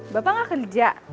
bapak gak kerja